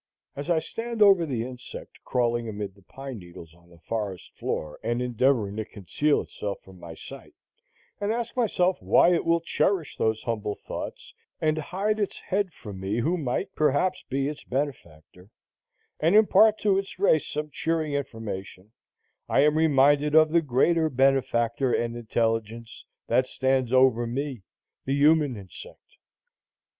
As I stand over the insect crawling amid the pine needles on the forest floor, and endeavoring to conceal itself from my sight, and ask myself why it will cherish those humble thoughts, and hide its head from me who might, perhaps, be its benefactor, and impart to its race some cheering information, I am reminded of the greater Benefactor and Intelligence that stands over me the human insect.